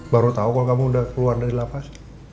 baru tau kalo kamu udah keluar dari lafaz